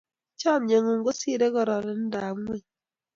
Chomye ng'ung' kosire kororindap ng'wony.